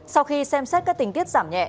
sau khi xem xét các tình tiết giảm nhẹ